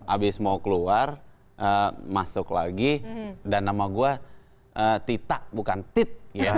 abis mau keluar masuk lagi dan nama gue tita bukan tit